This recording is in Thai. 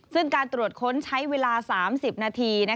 ซึ่งการตรวจค้นใช้เวลา๓๐นาที